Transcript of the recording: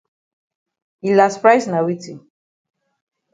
Yi las price na weti?